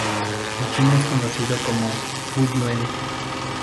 En China es conocido como Fu-Yuen.